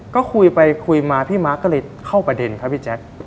ก็คุยไปคุยมาพี่มาร์คก็เลยเข้าประเด็นครับพี่แจ๊ค